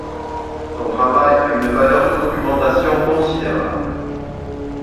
Son travail a une valeur de documentation considérable.